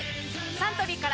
サントリーから